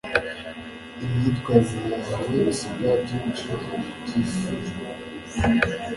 imyitwarire yawe isiga byinshi byifuzwa